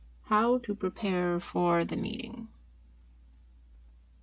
How to Prepare for the Meeting.